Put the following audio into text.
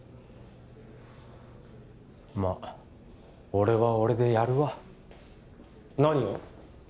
まあ俺は俺でやるわ何を？